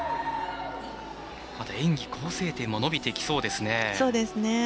演技構成点も伸びてきそうですね。